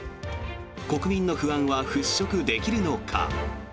国民の不安は払しょくできるのか。